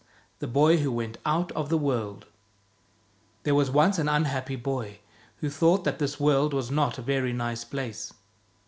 The Boy Who Went Out of the World T HERE was once an unhappy boy, who thought that this world was not a very nice place.